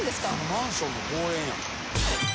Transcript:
マンションの公園や。